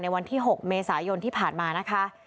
วันที่๖เมษายนที่ผ่านมานะคะ